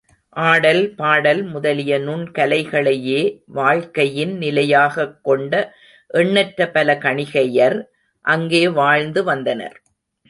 ஆடல், பாடல் முதலிய நுண்கலைகளையே வாழ்க்கையின் நிலையாகக் கொண்ட எண்ணற்ற பல கணிகையர் அங்கே வாழ்ந்து வந்தனர்.